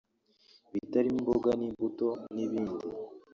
bitarimo imboga n`imbuto n`ibindi